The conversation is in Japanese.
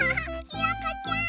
ひよこちゃん！